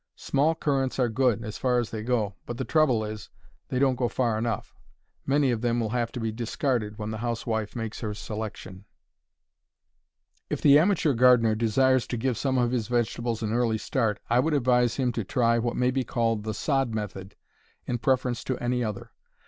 Small currants are good, as far as they go, but the trouble is they don't go far enough. Many of them will have to be discarded when the housewife makes her selection. If the amateur gardener desires to give some of his vegetables an early start, I would advise him to try what may be called the "sod method" in preference to any other.